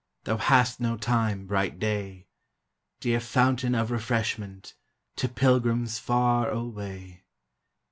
Thou hast no time, bright day I Dear fountain of refreshment To pilgrims far away